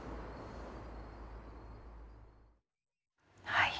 はい。